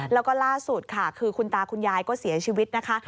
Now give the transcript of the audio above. แล้วก็ล่าสุดค่ะคือคุณตาคุณยายก็เสียชีวิตนะคะ